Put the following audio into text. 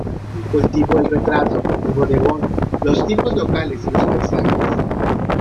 Cultivó el retrato, el bodegón, los tipos locales y los paisajes.